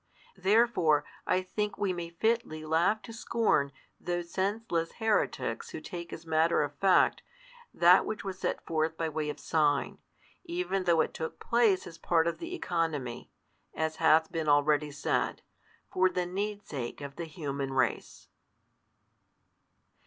Therefore I think we may fitly laugh to scorn those senseless heretics who take as matter of fact, that which was set forth by way of sign, even though |147 it took place as part of the oeconomy, as hath been already said, for the need's sake of the human race.